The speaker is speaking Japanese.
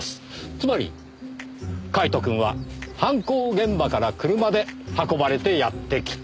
つまりカイトくんは犯行現場から車で運ばれてやって来た。